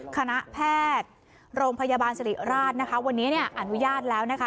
คณะแพทย์โรงพยาบาลสิริราชนะคะวันนี้เนี่ยอนุญาตแล้วนะคะ